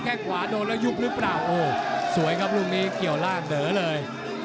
แค่งขวาโดนแล้วยุบหรือเปล่าโอ้สวยครับลูกนี้เกี่ยวล่างเด๋อเลย